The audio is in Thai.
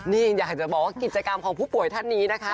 นี่อยากจะบอกว่ากิจกรรมของผู้ป่วยท่านนี้นะคะ